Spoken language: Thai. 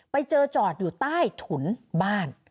ไปเจอจอดอยู่ใต้ถุนบ้าน